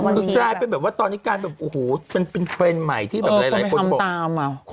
คือก็ได้ให้ไปว่าตอนนี้การแบบฮู้เป็นการเป็นมัยที่แบบหลายคนไปทำตาม